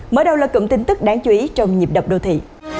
mở đầu là cụm tin tức đáng chú ý trong nhịp đập đô thị